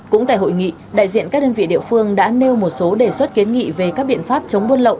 cũng tại hội nghị đại diện các đơn vị địa phương đã nêu một số đề xuất kiến nghị về các biện pháp chống buôn lậu